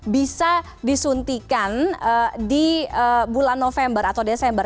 bisa disuntikan di bulan november atau desember